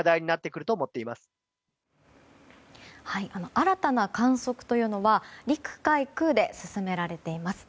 新たな観測というのは陸海空で進められています。